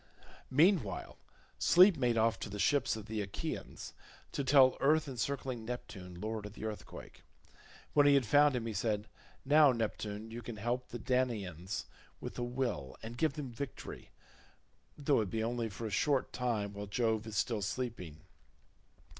Meanwhile Sleep made off to the ships of the Achaeans, to tell earth encircling Neptune, lord of the earthquake. When he had found him he said, "Now, Neptune, you can help the Danaans with a will, and give them victory though it be only for a short time while Jove is still sleeping.